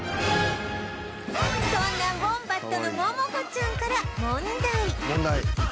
そんなウォンバットのモモコちゃんから問題。